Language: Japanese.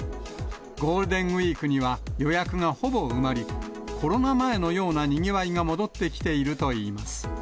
ゴールデンウィークには予約がほぼ埋まり、コロナ前のようなにぎわいが戻ってきているといいます。